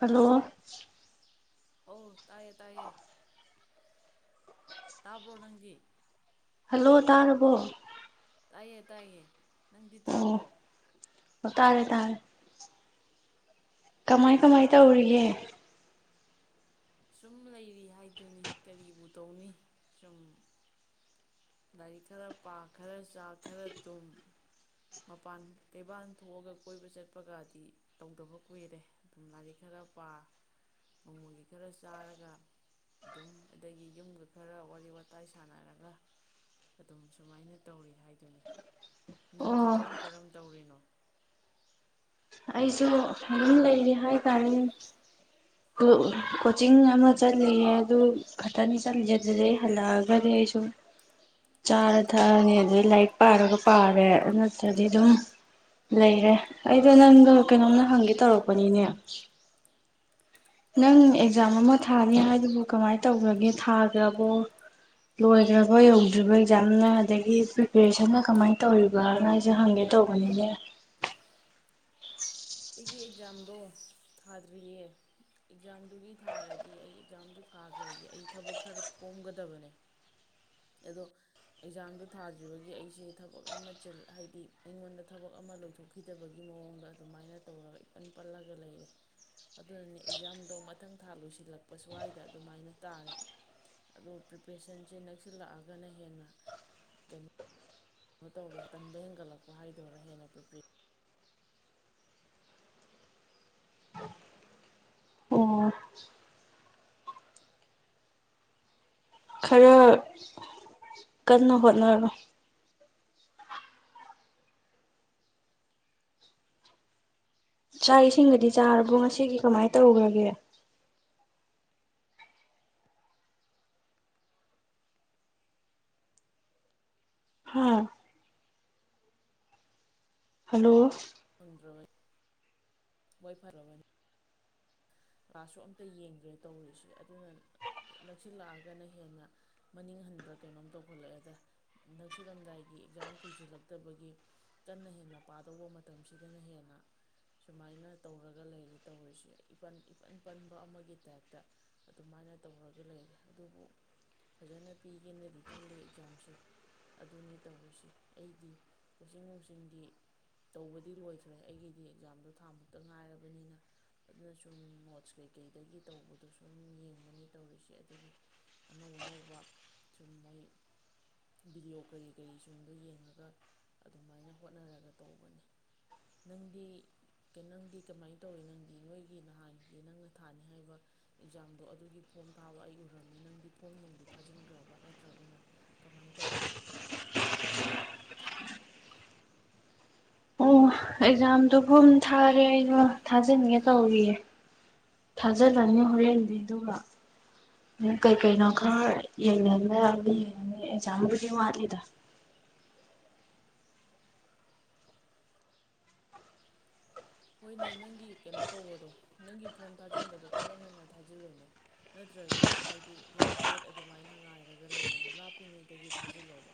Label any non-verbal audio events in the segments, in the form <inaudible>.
Hello. ꯑꯣ ꯇꯥꯏꯌꯦ ꯇꯥꯏꯌꯦ ꯇꯥꯕ꯭ꯔꯣ ꯅꯪꯗꯤ꯫ ꯍꯜꯂꯣ ꯇꯥꯔꯕꯣ꯫ ꯇꯥꯏꯌꯦ ꯇꯥꯏꯌꯦ꯫ ꯅꯪꯗꯤ ꯑꯣ ꯇꯥꯕ꯭ꯔꯣ꯫ ꯇꯥꯔꯦ ꯇꯥꯔꯦ ꯀꯃꯥꯏ ꯀꯃꯥꯏ ꯇꯧꯔꯤꯒꯦ꯫ ꯁꯨꯝ ꯂꯩꯔꯤ ꯍꯥꯏꯗꯨꯅꯤ ꯀꯔꯤꯕꯨ ꯇꯧꯅꯤ ꯁꯨꯝ ꯂꯥꯏꯔꯤꯛ ꯈꯔ ꯄꯥ ꯈꯔ ꯆꯥ ꯈꯔ ꯇꯨꯝ ꯃꯄꯥꯟ ꯀꯩꯕꯥꯜ ꯊꯣꯛꯑꯒ ꯀꯣꯏꯕ ꯆꯠꯄꯒꯗꯤ ꯇꯧꯗꯕ ꯀꯨꯏꯔꯦ ꯑꯗꯨꯝ ꯂꯥꯏꯔꯤꯛ ꯈꯔ ꯄꯥ ꯅꯣꯡꯃꯒꯤ꯫ ꯈꯔ ꯆꯥꯔꯒ ꯑꯗꯨꯝ ꯑꯗꯒꯤ ꯌꯨꯝꯒ ꯈꯔ ꯋꯥꯔꯤ ꯋꯥꯇꯥꯏ ꯁꯥꯟꯅꯔꯒ ꯑꯗꯨꯝ ꯁꯨꯃꯥꯏꯅ ꯇꯧꯔꯤ ꯍꯥꯏꯗꯨꯅꯤ ꯅꯪꯗꯤ ꯑꯣ ꯀꯔꯝ ꯀꯔꯝ ꯇꯧꯔꯤꯅꯣ꯫ ꯑꯩꯁꯨ ꯑꯗꯨꯝ ꯂꯩꯔꯤ ꯍꯥꯏꯇꯥꯔꯦ ꯀꯣꯆꯤꯡ ꯑꯃ ꯆꯠꯂꯤꯌꯦ ꯑꯗꯨ ꯈꯛꯇꯅꯤ ꯆꯠꯂꯤꯁꯦ ꯑꯗꯨꯗꯩ ꯍꯜꯂꯛꯑꯒꯗꯤ ꯑꯩꯁꯨ ꯆꯥꯔ ꯊꯛꯑꯅꯤ ꯑꯗꯩ ꯂꯥꯏꯔꯤꯛ ꯄꯥꯔꯒ ꯄꯥꯔꯦ ꯑꯗꯨ ꯅꯠꯇ꯭ꯔꯗꯤ ꯑꯗꯨꯝ ꯂꯩꯔꯦ ꯑꯩꯗꯣ ꯅꯪ꯫ ꯀꯩꯅꯣꯃ ꯍꯪꯒꯦ ꯇꯧꯔꯛꯄꯅꯤꯅꯦ꯫ ꯅꯪ ꯑꯦꯛꯖꯥꯝ ꯑꯃ ꯊꯥꯅꯤ ꯍꯥꯏꯗꯨꯕꯨ ꯀꯃꯥꯏꯅ ꯇꯧꯈ꯭ꯔꯒꯦ ꯊꯥꯈ꯭ꯔꯕꯣ ꯂꯣꯏꯈ꯭ꯔꯕ ꯌꯧꯗ꯭ꯔꯤꯕ ꯑꯦꯛꯖꯥꯝꯅ ꯑꯗꯒꯤ ꯄ꯭ꯔꯤꯄꯦꯔꯦꯁꯟꯅ ꯀꯃꯥꯏꯅ ꯇꯧꯔꯤꯕꯥꯅ ꯑꯩꯁꯦ ꯍꯪꯒꯦ ꯇꯧꯕꯅꯤꯅꯦ꯫ ꯑꯩꯒꯤ ꯑꯦꯛꯖꯥꯝꯗꯣ ꯊꯥꯗ꯭ꯔꯤꯌꯦ ꯑꯦꯛꯖꯥꯝꯗꯨꯒꯤ ꯊꯥꯔꯗꯤ ꯑꯩ ꯑꯦꯛꯖꯥꯝꯗꯣ ꯊꯥꯈ꯭ꯔꯗꯤ ꯑꯩ ꯊꯕꯛ ꯈꯔ ꯀꯣꯝꯒꯗꯕꯅꯦ ꯑꯗꯣ ꯑꯦꯛꯖꯥꯝꯗꯣ ꯊꯥꯗ꯭ꯔꯤꯕꯒꯤ ꯑꯩꯁꯦ ꯊꯕꯛ ꯑꯃ ꯍꯥꯏꯗꯤ ꯑꯩꯉꯣꯟꯗ ꯊꯕꯛ ꯑꯃ ꯂꯣꯏꯊꯣꯛꯈꯤꯗꯕꯒꯤ ꯃꯑꯣꯡꯗ ꯑꯗꯨꯃꯥꯏꯅ꯫ ꯇꯧꯔꯒ ꯏꯄꯟ ꯄꯜꯂꯒ ꯂꯩꯔꯦ ꯑꯗꯨꯅꯅꯦ ꯑꯦꯛꯖꯥꯝꯗꯣ ꯃꯊꯪ ꯊꯥ ꯂꯣꯏꯁꯤꯜꯂꯛꯄ ꯁ꯭ꯋꯥꯏꯗ ꯑꯗꯨꯃꯥꯏꯅ ꯇꯥꯔꯦ ꯑꯗꫭ ꯄ꯭ꯔꯤꯄꯔꯦꯁꯟꯁꯦ ꯅꯛꯁꯤꯜꯂꯛꯑꯒꯅ ꯍꯦꯟꯅ ꯀꯩꯅꯣ꯫ ꯀꯩꯅꯣ ꯇꯧꯔꯦ ꯇꯟꯕ ꯍꯦꯟꯒꯠꯂꯛꯄ ꯍꯥꯏꯗꯔꯥ ꯍꯦꯟꯅ ꯄ꯭ꯔꯤꯄꯦ꯫ ꯑꯣ ꯈꯔ ꯀꯟꯅ ꯍꯣꯠꯅꯔꯣ꯫ ꯆꯥꯛ ꯏꯁꯤꯡꯒꯗꯤ ꯆꯥꯔꯕꯣ ꯉꯁꯤꯒꯤ ꯀꯃꯥꯏꯅ ꯇꯧꯈ꯭ꯔꯒꯦ꯫ ꯍꯥ ꯍꯜꯂꯣ꯫ <unintelligible> ꯍꫭꯏ ꯐꯔꯕꯅꯤ ꯀ꯭ꯂꯥꯁꯁꯨ ꯑꯝꯇ ꯌꯦꯡꯗ꯭ꯔꯦ ꯇꯧꯔꯤꯁꯦ ꯑꯗꯨꯅ ꯅꯛꯁꯤꯜꯂꯛꯑꯒꯅ ꯍꯦꯟꯅ ꯃꯅꯤꯡꯍꯟꯕ꯭ꯔꯥ ꯀꯩꯅꯣꯝ ꯇꯧꯈꯠꯂꯛꯑꯦꯗ ꯅꯛꯁꯤꯜꯂꯝꯗꯥꯏꯒꯤ ꯑꯦꯛꯖꯥꯝ ꯀꯨꯏꯁꯤꯜꯂꯛꯇꯕꯒꯤ ꯀꯟꯅ ꯍꯦꯟꯅ ꯄꯥꯗꯧꯕ ꯃꯇꯝ꯫ ꯃꯇꯝꯁꯤꯗꯅ ꯍꯦꯟꯅ ꯁꯨꯃꯥꯏꯅ ꯇꯧꯔꯒ ꯂꯩꯔꯦ ꯇꯧꯔꯤꯁꯦ ꯏꯟ ꯏꯄꯟ ꯄꯟꯕ ꯑꯃꯒꯤ ꯇꯥꯏꯞꯇ ꯑꯗꯨꯃꯥꯏꯅ ꯇꯧꯔꯒ ꯂꯩꯔꯦ ꯑꯗꯨꯕꯨ ꯐꯖꯅ ꯄꯤꯒꯦꯅꯗꯤ ꯈꯜꯂꯤ ꯑꯦꯛꯖꯥꯝꯁꯦ ꯑꯗꯨꯅꯤ ꯇꯧꯔꯤꯁꯦ ꯑꯩꯗꯤ ꯀꯣꯆꯤꯡ ꯅꯨꯡꯆꯤꯡꯗꯤ꯫ ꯇꯧꯕꯗꯤ ꯂꯣꯏꯈ꯭ꯔꯦ ꯑꯩꯒꯤꯗꯤ ꯑꯦꯛꯖꯥꯝꯗꯣ ꯊꯥ ꯃꯨꯛꯇ ꯉꯥꯏꯔꯕꯅꯤꯅ ꯑꯗꯨꯅ ꯁꯨꯝ ꯅꯣꯠꯁ ꯀꯩꯀꯩꯗꯒꯤ ꯇꯧꯕꯗꯣ ꯁꯨꯝ ꯌꯦꯡꯕꯅꯤ ꯇꯧꯔꯤꯁꯦ ꯑꯗꯒꯤ ꯑꯅꯧ ꯑꯅꯧꯕ ꯁꯨꯝ ꯃꯣꯏ ꯕꯤꯗꯤꯑꯣ ꯀꯔꯤ ꯀꯔꯤꯁꯤꯡꯗꯣ ꯌꯦꯡꯉꯒ ꯑꯗꯨꯃꯥꯏꯅ ꯍꯣꯠꯅꯔꯒ ꯇꯧꯕꯅꯤ꯫ ꯅꯪꯗꯤ ꯅꯪꯗꯤ ꯀꯃꯥꯏꯅ ꯇꯧꯋꯤ ꯅꯪꯗꯤ ꯅꯣꯏꯒꯤ ꯅꯍꯥꯟꯒꯤ ꯅꯪꯅ ꯊꯥꯅꯤ ꯍꯥꯏꯕ ꯑꯦꯛꯖꯥꯝꯗꯣ ꯑꯗꯨꯒꯤ ꯐꯣꯝ ꯊꯥꯕ ꯑꯩ ꯎꯔꯝꯃꯤ ꯅꯪꯗꯤ ꯐꯣꯝ ꯅꯨꯡꯗꯤ ꯊꯥꯖꯤꯟꯈ꯭ꯔꯕ ꯅꯠꯇ꯭ꯔꯒꯅ ꯀꯃꯥꯏ ꯇꯧꯔꯤ꯫ ꯑꯣ ꯑꯦꯛꯖꯥꯝꯗꯣ ꯐꯨꯝ ꯊꯥꯔꯦ ꯑꯩꯖꯨ ꯊꯥꯖꯤꯟꯒꯦ ꯇꯧꯔꯤꯌꯦ ꯊꯥꯖꯤꯜꯂꯅꯤ ꯍꯣꯔꯦꯟꯗꯤ ꯑꯗꯨꯒ ꯀꯩꯀꯩꯅꯣ ꯈꯔ ꯌꯦꯡꯅ ꯌꯦꯡꯉꯅꯤ ꯑꯦꯛꯖꯥꯝꯕꯨꯗꯤ ꯋꯥꯠꯂꯤꯗ꯫ ꯍꯣꯏꯅꯦ ꯅꯪꯒꯤ ꯀꯩꯅꯣ ꯇꯧꯕꯗꯣ ꯅꯪꯒꯤ ꯐꯣꯝ ꯊꯥꯖꯤꯟꯕꯗꯣ ꯈꯔ ꯉꯟꯅ ꯊꯥꯖꯤꯜꯂꯣꯅꯦ ꯅꯠꯇ꯭ꯔꯒꯗꯤ ꯍꯥꯏꯗꯤ ꯂꯥꯁ ꯗꯦꯠ ꯑꯗꯨꯃꯥꯏꯅ ꯉꯥꯏꯔꯒ ꯂꯩꯒꯅꯨ ꯂꯥꯞꯄꯤꯉꯩꯗꯒꯤ ꯊꯥꯖꯤꯜꯂꯣꯕ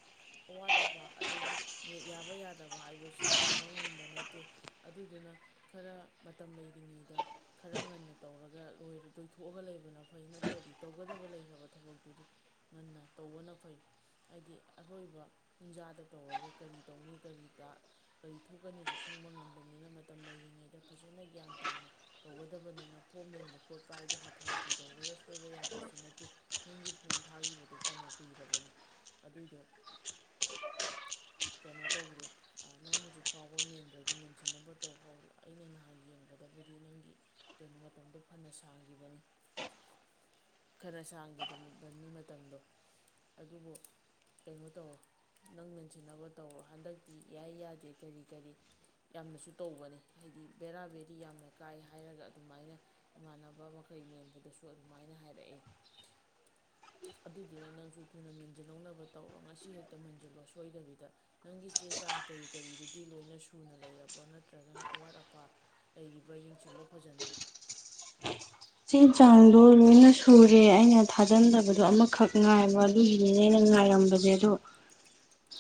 ꯑꯋꯥꯠ ꯑꯄꯥ ꯑꯗꯒꯤ ꯅꯦꯠ ꯌꯥꯕ ꯌꯥꯗꯕ ꯍꯥꯏꯕꯁꯤ ꯇꯝꯕ ꯉꯝꯕ ꯅꯠꯇꯦ ꯑꯗꯨꯗꯨꯅ꯫ ꯈꯔ ꯃꯇꯝ ꯂꯩꯔꯤꯉꯩꯗ ꯈꯔ ꯉꯟꯅ ꯇꯧꯔꯒ ꯂꯣꯏꯊꯣꯛꯑꯒ ꯂꯩꯕꯅ ꯐꯩ ꯅꯠꯇ꯭ꯔꯗꯤ ꯇꯧꯒꯗꯕ ꯂꯩꯈ꯭ꯔꯕ ꯊꯕꯛꯇꯨꯗꯤ ꯉꯟꯅ ꯇꯧꯕꯅ ꯐꯩ ꯍꯥꯏꯗꯤ ꯑꯔꯣꯏꯕ ꯄꯨꯡꯖꯥꯗ ꯇꯧꯔꯒ ꯀꯔꯤ ꯇꯧꯅꯤ ꯀꯔꯤ ꯀꯔꯤ ꯊꯣꯛꯀꯅꯤꯁꯨ ꯈꯪꯕ ꯉꯝꯗꯝꯅꯤꯅ ꯃꯇꯝ ꯂꯩꯔꯤ꯫ ꯉꯩꯗ ꯐꯖꯅ ꯒ꯭ꯌꯥꯟ ꯇꯥꯅ ꯇꯧꯒꯗꯕꯅꯤꯅ ꯐꯣꯝ ꯃꯦꯟꯕ ꯈꯣꯠꯄ ꯍꯥꯏꯗꯣ ꯍꯥꯊꯨ ꯍꯥꯊꯨ ꯇꯧꯔꯒ ꯁꯣꯏꯕ ꯌꯥꯕꯁꯨ ꯅꯠꯇꯦ ꯅꯪꯒꯤ ꯐꯣꯝ ꯊꯥꯈꯤꯕꯗꯣ ꯐꯅ ꯀꯨꯏꯔꯕꯅꯤ ꯑꯗꯨꯏꯗꯣ ꯀꯩꯅꯣ ꯇꯧꯗ꯭ꯔꯦ ꯅꯪ ꯍꯧꯖꯤꯛ ꯐꯥꯎꯕ ꯃꯦꯟꯗ꯭ꯔꯗꯤ ꯃꯦꯟꯁꯤꯟꯅꯕ ꯇꯧ꯫ ꯑꯩꯅ ꯅꯍꯥꯟ ꯌꯦꯡꯕꯗꯕꯨꯗꯤ ꯅꯪꯒꯤ ꯀꯩꯅꯣ ꯃꯇꯝꯗꯣ ꯐꯅ ꯁꯥꯡꯈꯤꯕꯅꯤ ꯈꯔ ꯁꯥꯡꯈꯤꯗꯕꯅꯤ ꯃꯇꯝꯗꯣ ꯑꯗꯨꯕꯨ ꯀꯩꯅꯣ ꯇꯧꯔꯣ ꯅꯪ ꯃꯦꯟꯁꯤꯟꯅꯕ ꯇꯧꯔꯣ ꯍꯟꯗꯛꯇꯤ ꯌꯥꯏ ꯌꯥꯗꯦ ꯀꯔꯤ ꯀꯔꯤ ꯌꯥꯝꯅꯁꯨ ꯇꯧꯕꯅꯤ꯫ ꯍꯥꯏꯗꯤ ꯕꯦꯔꯥ ꯕꯦꯔꯤ ꯌꯥꯝꯅ ꯀꯥꯏ ꯍꯥꯏꯔꯒ ꯑꯗꯨꯃꯥꯏꯅ ꯏꯃꯥꯟꯅꯕ ꯃꯈꯩ ꯃꯦꯟꯕꯗꯁꯨ ꯑꯗꯨꯃꯥꯏꯅ ꯍꯥꯏꯔꯛꯑꯦ ꯑꯗꯨꯗꯨꯅ ꯅꯪꯁꯨ ꯊꯨꯅ ꯃꯤꯟꯖꯜꯂꯧꯅꯕ ꯇꯧꯔꯣ ꯉꯁꯤ ꯍꯦꯛꯇ ꯃꯟꯖꯜꯂꯣ ꯁꯣꯏꯗꯕꯤꯗ ꯅꯪꯒꯤ ꯆꯦ ꯆꯥꯡ ꯀꯔꯤ ꯀꯔꯤꯗꯨꯗꯤ ꯂꯣꯏꯅ ꯁꯨꯅ ꯂꯩꯔꯕ꯭ꯔꯣ ꯅꯠꯇ꯭ꯔꯒꯅ꯫ ꯑꯋꯥꯠ ꯑꯄꯥ ꯂꯩꯔꯤꯕ꯭ꯔꯥ ꯌꯦꯡꯁꯤꯜꯂꯣ ꯐꯖꯅ꯫ ꯆꯦ ꯆꯥꯡꯗꯣ ꯂꯣꯏꯅ ꯁꯨꯔꯦ ꯑꯩꯅ ꯊꯥꯖꯤꯟꯗꯕꯗꯣ ꯑꯃꯈꯛ ꯉꯥꯏꯕ ꯑꯗꯨꯒꯤꯅꯤꯅꯦ ꯑꯩꯅ ꯉꯥꯏꯔꯝꯕꯁꯦ ꯑꯗꯣ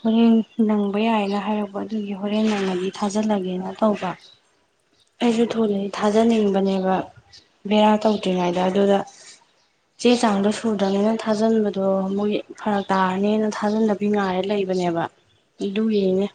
ꯍꯣꯔꯦꯟ ꯅꯪꯕ ꯌꯥꯏꯅ ꯍꯥꯏꯔꯛꯄ ꯑꯗꯨꯒꯤ ꯍꯣꯔꯦꯟ ꯅꯪꯉꯗꯤ ꯊꯥꯖꯤꯜꯂꯒꯦꯅ ꯇꯧꯕ ꯑꯩꯁꯨ ꯊꯨꯅꯗꯤ ꯊꯥꯖꯅꯤꯡꯕꯅꯦꯕ꯫ ꯕꯦꯔꯥ ꯇꯧꯗ꯭ꯔꯤꯉꯩꯗ ꯑꯗꯨꯗ ꯆꯦ ꯆꯥꯡꯗꯣ ꯁꯨꯗ꯭ꯔꯕꯅꯤꯅ ꯊꯥꯖꯟꯕꯗꯣ ꯃꯣꯏ ꯐꯔꯛ ꯇꯥꯔꯅꯤꯅ ꯊꯥꯖꯟꯗꯕꯤ ꯉꯥꯏꯔꯦ ꯂꯩꯕꯅꯦꯕ ꯑꯗꯨꯒꯤꯅꯤꯅꯦ꯫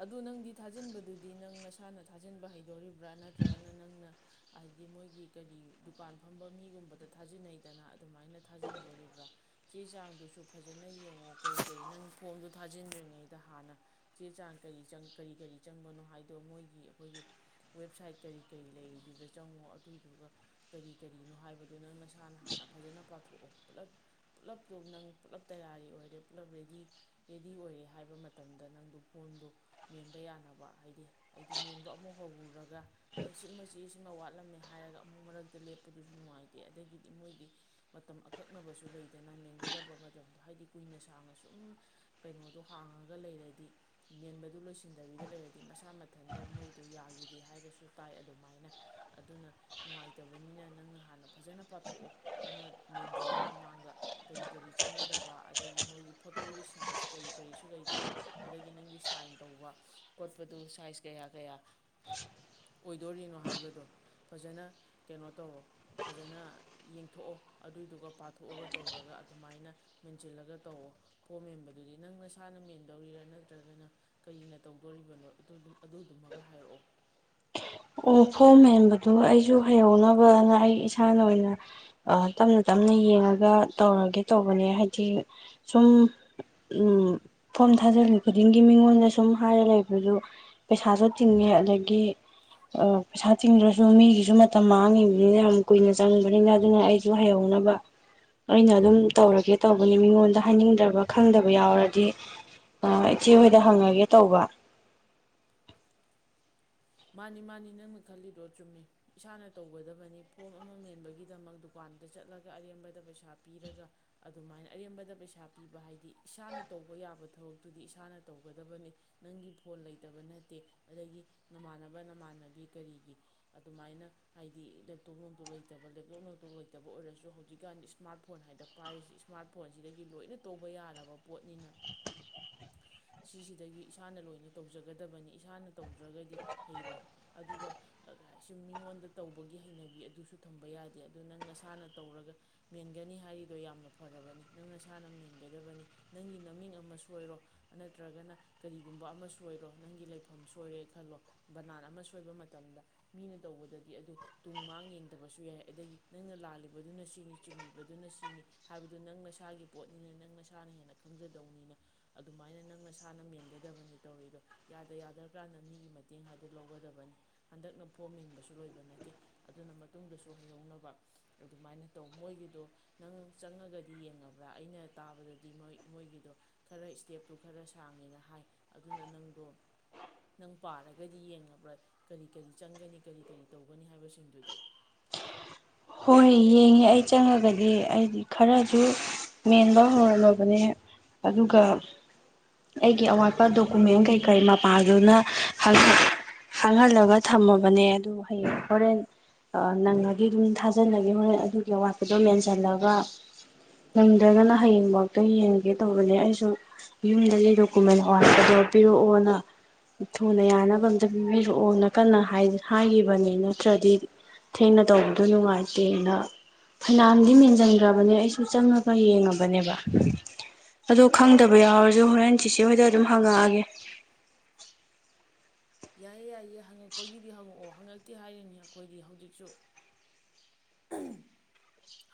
ꯑꯗꯨꯗ ꯅꯪꯗꯤ ꯊꯥꯖꯤꯟꯕꯗꯨꯗꯤ ꯅꯪ ꯅꯁꯥꯅ ꯊꯥꯖꯤꯟꯕ ꯍꯩꯗꯣꯔꯤꯕ꯭ꯔꯥ ꯅꯠꯇ꯭ꯔꯒꯅ ꯅꯪꯅ ꯍꯥꯏꯗꯤ ꯃꯣꯏꯒꯤ ꯀꯔꯤ ꯗꯨꯀꯥꯟ ꯐꯝꯕ ꯃꯤꯒꯨꯝꯕꯗ ꯊꯥꯖꯤꯟꯅꯩꯗꯅ ꯑꯗꯨꯃꯥꯏꯅ ꯊꯥꯖꯤꯟꯗꯣꯔꯤꯕ꯭ꯔꯥ ꯆꯦ ꯆꯥꯡꯗꯨꯁꯨ ꯐꯖꯅ ꯌꯦꯡꯉꯣ ꯀꯔꯤ ꯀꯔꯤ ꯅꯪ ꯐꯣꯝꯗꯣ ꯊꯥꯖꯤꯟꯗ꯭ꯔꯤꯉꯩꯗ ꯍꯥꯟꯅ ꯆꯦ ꯆꯥꯡ꯫ ꯀꯔꯤ ꯀꯔꯤ ꯀꯔꯤ ꯆꯪꯕꯅꯣ ꯍꯥꯏꯗꯣ ꯃꯣꯏꯒꯤ ꯑꯩꯈꯣꯏꯒꯤ ꯋꯦꯕꯁꯥꯏꯠ ꯀꯔꯤ ꯀꯔꯤ ꯂꯩꯔꯤꯗꯨꯗ ꯆꯪꯉꯣ ꯑꯗꯨꯏꯗꯨꯒ ꯀꯔꯤ ꯀꯔꯤꯅꯣ ꯍꯥꯏꯕꯗꯣ ꯅꯪ ꯅꯁꯥꯅ ꯍꯥꯟꯅ ꯐꯖꯅ ꯄꯥꯊꯣꯛꯑꯣ ꯄꯨꯂꯞ ꯄꯨꯂꯞꯇꯣ ꯅꯪ ꯄꯨꯜꯂꯞ ꯇꯌꯥꯔꯤ ꯑꯣꯏꯔꯦ ꯄꯨꯜꯂꯞ ꯔꯦꯗꯤ ꯔꯦꯗꯤ ꯑꯣꯏꯔꯦ ꯍꯥꯏꯕ ꯃꯇꯝꯗ ꯅꯪꯗꫭ ꯐꯣꯝꯗꯣ꯫ ꯃꯦꯟꯕ ꯌꯥꯅꯕ ꯍꯥꯏꯗꯤ ꯍꯥꯏꯗꯤ ꯃꯦꯟꯕ ꯑꯃꯨꯛ ꯍꯧꯔꯨꯔꯒ ꯑꯦ ꯁꯤꯃ ꯆꯦ ꯁꯤꯃ ꯋꯥꯠꯂꯝꯃꯦ ꯍꯥꯏꯔꯒ ꯑꯃꯨꯛ ꯃꯔꯛꯇ ꯂꯦꯞꯄꯗꯨꯁꯨ ꯅꯨꯡꯉꯥꯏꯇꯦ ꯑꯗꯒꯤꯗꯤ ꯃꯣꯏꯗꯤ ꯃꯇꯝ ꯑꯀꯛꯅꯕꯁꯨ ꯂꯩꯗꯅ ꯃꯦꯟꯒꯗꯕ ꯃꯇꯝꯗ ꯍꯥꯏꯗꯤ ꯀꯨꯏꯅ ꯁꯥꯡꯅ ꯁꯨꯝ ꯀꯩꯅꯣꯗꯣ ꯍꯥꯡꯉꯒ ꯂꯩꯔꯗꯤ ꯃꯦꯟꯕꯗ꯫ ꯗꯨ ꯂꯣꯏꯁꯤꯟꯗꯕꯤꯗ ꯂꯩꯔꯗꯤ ꯃꯁꯥ ꯃꯊꯟꯇ ꯃꯣꯏꯗ ꯌꯥꯒꯤꯗꯦ ꯍꯥꯏꯔꯁꯨ ꯇꯥꯏ ꯑꯗꯨꯃꯥꯏꯅ ꯑꯗꯨꯅ ꯅꯨꯡꯉꯥꯏꯇꯕꯅꯤꯅ ꯅꯪꯅ ꯍꯥꯟꯅ ꯐꯖꯅ ꯄꯥꯊꯣꯛꯑꯣ ꯅꯪꯅ ꯃꯦꯟꯗ꯭ꯔꯤꯉꯩ ꯃꯃꯥꯡꯗ ꯀꯔꯤ ꯀꯔꯤ ꯆꯪꯒꯗꯕ ꯑꯗꯒꯤ ꯃꯣꯏꯒꯤ ꯐꯣꯇꯣꯒꯤ ꯁꯥꯏꯖ ꯀꯔꯤ ꯀꯔꯤꯁꯨ ꯂꯩꯗꯅ ꯑꯗꯒꯤ ꯅꯪꯒꯤ ꯁꯥꯏꯟ꯫ ꯇꯧꯕ ꯈꯣꯠꯄꯗꯨ ꯁꯥꯏꯖ ꯀꯌꯥ ꯀꯌꯥ ꯑꯣꯏꯗꯣꯔꯤꯅꯣ ꯍꯥꯏꯕꯗꯣ ꯐꯖꯅ ꯀꯩꯅꯣ ꯇꯧꯔꯣ ꯐꯖꯅ ꯌꯦꯡꯊꯣꯛꯑꯣ ꯑꯗꯨꯏꯗꯨꯒ ꯄꯥꯊꯣꯛꯑꯒ ꯇꯧꯔꯒ ꯑꯗꯨꯃꯥꯏꯅ ꯃꯦꯟꯁꯤꯜꯂꯒ ꯇꯧꯑꯣꯣ ꯐꫭꯝ ꯃꯦꯟꯕꯗꯨꯗꯤ ꯅꯪ ꯅꯁꯥꯅ ꯃꯦꯟꯗꯧꯔꯤꯔꯥ ꯅꯠꯇ꯭ꯔꯒꯅ꯫ ꯀꯩꯅ ꯇꯧꯗꯣꯔꯤꯕꯅꯣ ꯑꯗꯨꯗꯨꯃꯒ ꯍꯥꯏꯔꯛꯑꯣ꯫ ꯑꯣ ꯐꯣꯝ ꯍꯦꯟꯕꯗꯨ ꯑꯩꯁꯨ ꯍꯩꯍꯧꯅꯕꯅ ꯑꯩ ꯏꯁꯥꯅ ꯑꯣꯏꯅ ꯇꯞꯅ ꯇꯞꯅ ꯌꯦꯡꯉꯒ ꯇꯧꯔꯒꯦ ꯇꯧꯕꯅꯦ ꯍꯥꯏꯗꯤ ꯁꯨꯝ ꯐꯣꯝ ꯊꯥꯖꯤꯜꯂꯤ ꯈꯨꯗꯤꯡꯒꯤ ꯃꯤꯉꯣꯟꯗ ꯁꯨꯝ ꯍꯥꯏꯔ ꯂꯩꯕꯗꯨꯖꯨ ꯄꯩꯁꯥꯁꯨ ꯇꯤꯡꯉꯦ ꯑꯗꯒꯤ꯫ ꯄꯩꯁꯥ ꯇꯤꯡꯗ꯭ꯔꯁꯨ ꯃꯤꯒꯤꯁꯨ ꯃꯇꯝ ꯃꯥꯡꯉꯤꯕꯅꯤꯅ ꯌꯥꯝ ꯀꯨꯏꯅ ꯆꯪꯕꯅꯤꯅ ꯑꯗꯨꯅ ꯑꯩꯁꯨ ꯍꯩꯍꯧꯅꯕ ꯑꯩꯅ ꯑꯗꯨꯝ ꯇꯧꯔꯒꯦ ꯇꯧꯕꯅꯤ ꯃꯤꯉꯣꯟꯗ ꯍꯥꯏꯅꯤꯡꯗꯕ ꯈꯪꯗꯕ ꯌꯥꯎꯔꯗꯤ ꯏꯆꯦ ꯍꯣꯏꯗ ꯍꯪꯉꯒꯦ ꯇꯧꯕ꯫ ꯃꯥꯅꯤ ꯃꯥꯅꯤ ꯅꯪꯅ ꯈꯜꯂꯤꯗꯣ ꯆꯨꯝꯃꯤ ꯏꯁꯥꯅ ꯇꯧꯒꯗꯕꯅꯤ ꯐꯣꯝ ꯑꯃ ꯃꯦꯟꯕꯒꯤꯗꯃꯛ ꯗꯨꯀꯥꯟꯗ ꯆꯠꯂꯒ ꯑꯔꯦꯝꯕꯗ ꯄꯩꯁꯥ ꯄꯤꯔꯒ ꯑꯗꯨꯃꯥꯏꯅ ꯑꯔꯦꯝꯕꯗ ꯄꯩꯁꯥ ꯄꯤꯕ ꯍꯥꯏꯗꯤ ꯏꯁꯥꯅ ꯇꯧꯕ ꯌꯥꯕ ꯊꯕꯛꯇꯨꯗꯤ ꯏꯁꯥꯅ ꯇꯧꯒꯗꯕꯅꯤ ꯅꯪꯒꯤ ꯐꯣꯟ ꯂꯩꯇꯕ ꯅꯠꯇꯦ ꯑꯗꯒꯤ ꯅꯃꯥꯟꯅꯕ ꯅꯃꯥꯟꯅꯕꯤ ꯀꯔꯤꯒꯤ ꯑꯗꯨꯃꯥꯏꯅ ꯍꯥꯏꯗꯤ ꯂꯦꯞꯇꯣꯞ ꯅꯨꯝꯇꯣꯛ ꯂꯩꯇꯕ ꯂꯦꯞꯇꯣꯞ ꯅꯣꯝꯇꯣꯛ ꯂꯩꯇꯕ ꯑꯣꯏꯔꯁꯨ ꯍꯧꯖꯤꯛꯀꯥꯟꯗꯤ ꯏꯁꯃꯥꯔꯠ ꯐꯣꯟ ꯍꯥꯏꯅ ꯄꯥꯏꯔꯤꯁꯤ ꯏꯁꯃꯥꯔꯠ ꯐꯣꯟꯁꯤꯗꯒꯤ ꯂꯣꯏꯅ ꯇꯧꯕ ꯌꯥꯔꯕ ꯄꯣꯠꯅꯤꯅ ꯁꯤꯁꯤꯗꯒꯤ ꯏꯁꯥꯅ ꯂꯣꯏꯅ ꯇꯧꯖꯒꯗꯕꯅꯤ ꯏꯁꯥꯅ ꯇꯧꯗ꯭ꯔꯒꯗꯤ ꯍꯩꯔꯣꯏ ꯑꯗꯨꯒ ꯁꯨꯝ ꯃꯤꯉꯣꯟꯗ ꯇꯧꯕꯒꯤ ꯍꯩꯅꯕꯤ ꯑꯗꯨꯁꯨ ꯊꯝꯕ ꯌꯥꯗꯦ ꯑꯗꯨ ꯅꯪ ꯅꯁꯥꯅ ꯇꯧꯔꯒ ꯃꯦꯟꯒꯅꯤ ꯍꯥꯏꯔꯤꯗꯣ ꯌꯥꯝꯅ ꯐꯔꯕꯅꯤ ꯅꯪ ꯅꯁꯥꯅ ꯃꯦꯟꯒꯗꯕꯅꯤ ꯅꯪꯒꯤ ꯃꯃꯤꯡ ꯑꯃ ꯁꯣꯏꯔꯣ ꯅꯠꯇ꯭ꯔꯒꯅ ꯀꯔꯤꯒꯨꯝꯕ ꯑꯃꯨ ꯁꯣꯏꯔꯣ ꯅꯪꯒꯤ ꯂꯩꯐꯝ ꯁꯣꯏꯔꯦ ꯈꯜꯂꯣ ꯕꯅꯥꯟ ꯑꯃ ꯁꯣꯏꯕ ꯃꯇꯝꯗ ꯃꯤꯅ ꯇꯧꯕꯗꯗꯤ ꯑꯗꯨ ꯇꯨꯡ ꯃꯥꯡ ꯌꯦꯡꯗꯕꯁꯨ ꯌꯥꯏ ꯑꯗꯒꯤ ꯅꯪꯅ ꯂꯥꯜꯂꯤꯕꯗꯨꯅ ꯁꯤꯅꯤ ꯆꯨꯝꯃꯤꯕꯗꯨꯅ ꯁꯤꯅꯤ ꯍꯥꯏꯕꯗꯨ ꯅꯪ ꯅꯁꯥꯒꯤ ꯄꯣꯠꯅꯤꯅ ꯅꯪ ꯅꯁꯥꯅ ꯍꯦꯟꯅ ꯈꯪꯖꯗꯧꯅꯤꯅ ꯑꯗꯨꯃꯥꯏꯅ ꯅꯪ ꯅꯁꯥꯅ ꯃꯦꯟꯒꯗꯕꯅꯤ ꯇꯧꯔꯤꯗꯣ ꯌꯥꯗ ꯌꯥꯗ꯭ꯔꯀꯥꯟꯗ ꯃꯤꯒꯤ ꯃꯇꯦꯡ ꯍꯥꯏꯗ ꯂꯧꯒꯗꯕꯅꯤ ꯍꯟꯗꯛꯅ ꯐꯣꯝ ꯍꯦꯟꯕꯁꯨ ꯂꯣꯏꯕ ꯅꯠꯇꯦ ꯑꯗꯨꯅ ꯃꯇꯨꯡꯗꯁꯨ ꯍꯩꯍꯧꯅꯕ ꯑꯗꯨꯃꯥꯏꯅ ꯇꯧ ꯃꯣꯏꯒꯤꯗꯣ ꯅꯪ ꯆꯪꯉꯒꯗꯤ ꯌꯦꯡꯉꯕ꯭ꯔꯥ ꯑꯩꯅ ꯇꯥꯕꯗꯗꯤ ꯃꯣꯏꯒꯤꯗꯣ ꯈꯔ ꯏꯁꯇꯦꯞꯇꯨ ꯈꯔ ꯁꯥꯡꯉꯦꯅ ꯍꯥꯏ ꯑꯗꯨꯅ ꯅꯪꯗꯣ ꯅꯪ ꯄꯥꯔꯒ ꯗꯤ ꯌꯦꯡꯉꯕ꯭ꯔꯥ ꯀꯔꯤ ꯀꯔꯤ ꯆꯪꯒꯅꯤ ꯀꯔꯤ ꯀꯔꯤ ꯇꯧꯒꯅꯤ ꯍꯥꯏꯕꯁꯤꯡꯗꯨꯗꯤ ꯍꯣꯏ ꯌꯦꯡꯉꯦ ꯑꯩ ꯆꯪꯉꯒꯗꯤ ꯑꯩꯗꯤ ꯈꯔꯁꯨ ꯃꯦꯟꯕ ꯍꯧꯔꯝꯃꯕꯅꯦ ꯑꯗꯨꯒ ꯑꯩꯒꯤ ꯑꯋꯥꯠꯄ ꯗꯣꯀꯨꯃꯦꯟ ꯀꯩꯀꯩ ꯃꯄꯥꯗꯨꯅ ꯍꯥꯡꯍꯜꯂꯒ ꯊꯝꯃꯕꯅꯦ ꯑꯗꯨ ꯍꯌꯦꯡ ꯍꯣꯔꯦꯟ ꯅꯪꯉꯗꯤ ꯑꯗꯨꯝ ꯊꯥꯖꯟ ꯊꯥꯖꯤꯜꯂꯒꯦ ꯍꯣꯔꯦꯟ ꯑꯗꯨꯒꯤ ꯑꯋꯥꯠꯄꯗꯣ ꯃꯦꯟꯁꯤꯜꯂꯒ ꯅꯪꯗ꯭ꯔꯒꯅ ꯍꯌꯦꯡ ꯐꯥꯎꯇ ꯌꯦꯡꯉꯒꯦ ꯇꯧꯕꯅꯦ ꯑꯩꯁꯨ ꯌꯨꯝꯗꯗꯒꯤ ꯗꯣꯀꯨꯃꯦꯟ ꯑꯋꯥꯠꯄꯗꯣ ꯄꯤꯔꯛꯑꯣꯅ ꯊꯨꯅ ꯌꯥꯅꯕ ꯑꯝꯇ ꯄꯤꯕꯤꯔꯛꯑꯣꯅ ꯀꯟꯅ ꯍꯥꯏꯈꯤꯕꯅꯤ ꯅꯠꯇ꯭ꯔꯗꯤ ꯊꯦꯡꯅ ꯇꯧꯕꯗꯣ ꯅꯨꯡꯉꯥꯏꯇ ꯇꯦꯅ ꯐꯅꯋꯥꯝꯗꯤ ꯃꯦꯟꯁꯤꯟꯈ꯭ꯔꯕꯅꯦ ꯑꯩꯁꯨ ꯆꯪꯉꯒ ꯌꯦꯡꯉꯕꯅꯦꯕ ꯑꯗꯣ ꯈꯪꯗꯕ ꯌꯥꯎꯔꯁꯨ ꯍꯣꯔꯦꯟ ꯆꯤꯆꯦ ꯍꯣꯏꯗ ꯑꯗꯨꯝ ꯍꯪꯉꯛꯑꯒꯦ ꯌꯥꯏꯌꯦ ꯌꯥꯏꯌꯦ ꯍꯪꯉꯛꯄꯒꯤꯗꯤ ꯍꯪꯉꯛꯑꯣ ꯍꯪꯉꯛꯇꯦ ꯍꯥꯏꯔꯤꯅꯤ ꯑꯩꯈꯣꯏꯗꯤ ꯍꯧꯖꯤꯛꯁꯨ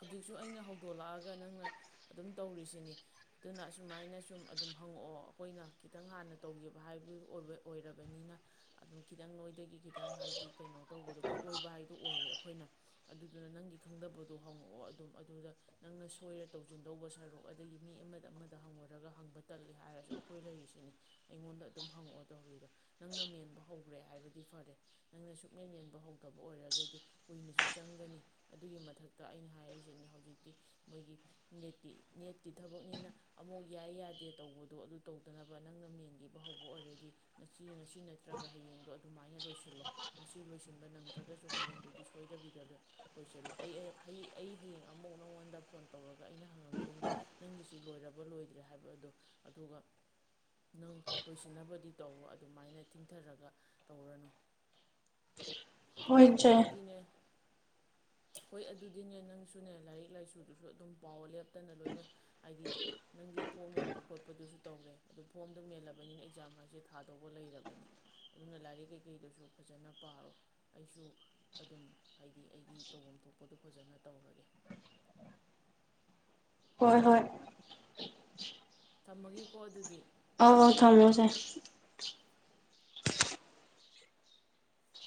ꯍꯧꯖꯤꯛꯁꯨ ꯑꯩꯅ ꯍꯧꯗꯣꯛꯂꯛꯑꯒ ꯅꯪꯅ ꯑꯗꯨꯝ ꯇꯧꯔꯤꯁꯤꯅꯤ ꯑꯗꯨꯅ ꯑꯁꯨꯃꯥꯏꯅ ꯁꯨꯝ ꯑꯗꯨꯝ ꯍꯪꯉꯛꯑꯣ ꯑꯩꯈꯣꯏꯅ ꯈꯤꯇꯪ ꯍꯥꯟꯅ ꯇꯧꯈꯤꯕ ꯍꯥꯏꯕꯗꯨ ꯑꯣꯏꯔꯕꯅꯤꯅ ꯑꯗꯨꯝ ꯈꯤꯇꯪ ꯅꯣꯏꯗꯒꯤ ꯈꯤꯇꯪ ꯍꯥꯏꯗꯤ ꯀꯩꯅꯣ ꯇꯧꯕꯗꯣ ꯈꯨꯠꯂꯣꯏꯕ ꯍꯥꯏꯗꯣ ꯑꯣꯏꯔꯦ ꯑꯩꯈꯣꯏꯅ ꯑꯗꯨꯗꯨꯅ ꯅꯪꯒꯤ ꯈꯪꯗꯕ ꯑꯗꯨ ꯍꯪꯉꯛꯑꯣ ꯑꯗꯨꯝ ꯑꯗꯨꯗ ꯅꯪꯅ ꯁꯣꯏꯔ ꯇꯧꯁꯤꯟꯗꯧꯕ ꯁꯔꯨꯛ ꯑꯗꯒꯤ ꯃꯤ ꯑꯃꯗ ꯑꯃꯗ ꯍꯪꯉꯨꯔꯒ ꯍꯪꯕ ꯇꯂ ꯍꯥꯏꯔꯁꯨ ꯑꯩꯈꯣꯏ ꯂꯩꯔꯤꯁꯤꯅꯤ ꯑꯩꯉꯣꯟꯗ ꯑꯗꯨꯝ ꯍꯪꯉꯛꯑꯣ ꯇꯧꯔꯤꯗꯣ ꯅꯪꯅ ꯃꯦꯟꯕ ꯍꯧꯈ꯭ꯔꯦ ꯍꯥꯏꯕꯗꯤ ꯐꯔꯦ ꯅꯪꯅ ꯁꯨꯃꯦꯟ ꯃꯦꯟꯕ ꯍꯧꯗꯕ ꯑꯣꯏꯔꯒꯗꯤ ꯀꯨꯏꯅꯁꯨ ꯆꯪꯒꯅꯤ ꯑꯗꯨꯒꯤ ꯃꯊꯛꯇ ꯑꯩꯅ ꯍꯥꯏꯔꯤꯁꯤꯅꯦ ꯍꯧꯖꯤꯛꯇꯤ ꯃꯣꯏꯒꯤ ꯅꯦꯠꯀꯤ ꯅꯦꯠꯀꯤ ꯊꯕꯛꯅꯤꯅ ꯑꯃꯨꯛ ꯌꯥꯏ ꯌꯥꯗꯦ ꯇꯧꯕꯗꯣ ꯑꯗꯨ ꯇꯧꯗꯅꯕ ꯅꯪꯅ ꯃꯦꯟꯈꯤꯕ ꯍꯧꯕ ꯑꯣꯏꯔꯗꯤ ꯉꯁꯤ ꯉꯁꯤ ꯅꯠꯇ꯭ꯔꯒ ꯍꯌꯦꯡꯗꯣ ꯑꯗꯨꯃꯥꯏꯅ ꯂꯣꯏꯁꯤꯜꯂꯣ ꯉꯁꯤ ꯂꯣꯏꯁꯤꯟꯕ ꯅꯪꯗ꯭ꯔꯒꯁꯨ ꯍꯌꯦꯡꯗꯨꯗꯤ ꯁꯣꯏꯗꯕꯤꯗ ꯂꯣꯏꯁꯤꯜꯂꯣ ꯑꯩ ꯑꯩ ꯍꯌꯦꯡ ꯑꯃꯨꯛ ꯅꯪꯉꯣꯟꯗ ꯐꯣꯟ ꯇꯧꯔꯒ ꯑꯩꯅ ꯍꯪꯉꯛꯇꯣꯏꯅꯤ ꯅꯪꯒꯤꯁꯤ ꯂꯣꯏꯔꯕ ꯂꯣꯏꯗ꯭ꯔꯦ ꯍꯥꯏꯕꯗꯣ ꯑꯗꯨꯒ ꯅꯪ ꯂꯣꯏꯁꯤꯟꯅꯕꯗꯤ ꯇꯧꯔꯣ ꯑꯗꯨꯃꯥꯏꯅ ꯊꯤꯡꯊꯔꯒ ꯇꯧꯔꯅꯨ ꯍꯣꯏ ꯑꯗꯨꯗꯤꯅꯦ ꯍꯣꯏ ꯑꯗꯨ ꯑꯗꯨꯗꯤꯅꯦ ꯅꯪꯁꯨꯅꯦ ꯂꯥꯏꯔꯤꯛ ꯂꯥꯏꯁꯨꯗꯨꯁꯨ ꯑꯗꯨꯝ ꯄꯥꯎ ꯂꯦꯞꯇꯅ ꯂꯣꯏꯅ ꯍꯥꯏꯗꯤ ꯅꯪꯒꯤ ꯐꯣꯝ ꯃꯦꯟꯕ ꯈꯣꯠꯄꯗꯨꯁꯨ ꯇꯧꯔꯦ ꯑꯗꯨ ꯐꯣꯝꯗꯣ ꯃꯦꯜꯂꯕꯅꯤꯅ ꯑꯦꯛꯖꯥꯝ ꯍꯥꯏꯁꯦ ꯊꯥꯗꯧꯕ ꯂꯩꯔꯕꯅꯦ ꯑꯗꯨꯅ ꯂꯥꯏꯔꯤꯛ ꯀꯩꯀꯩꯗꯨꯁꯨ ꯐꯖꯅ ꯄꯥꯔꯣ ꯑꯩꯁꯨ ꯑꯗꯨꯝ ꯍꯥꯏꯗꯤ ꯑꯩꯒꯤ ꯇꯧꯐꯝ ꯊꯣꯛꯄ ꯗꯨ ꯐꯖꯅ ꯇꯧꯔꯒꯦ ꯍꯣꯏ ꯍꯣꯏ ꯊꯝꯃꯒꯦꯀꯣ ꯑꯗꯨꯗꯤ ꯑ ꯊꯝꯃꯣ ꯆꯦ